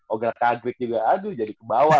ogra kagrik juga aduh jadi kebawa